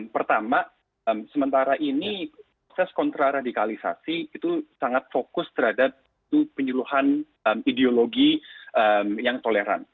pertama sementara ini proses kontraradikalisasi itu sangat fokus terhadap penyuluhan ideologi yang toleran